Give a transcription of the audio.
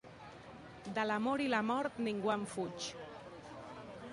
De l'amor i la mort ningú en fuig.